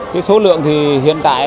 cái số lượng thì hiện tại